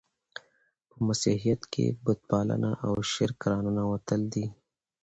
په مسیحیت کښي بت پالنه او شرک راننوتل دي.